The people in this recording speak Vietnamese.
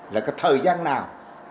là cái thời gian nào